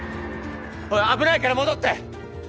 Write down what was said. おい危ないから戻って！